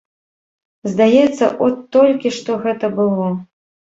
Здаецца, от толькі што гэта было.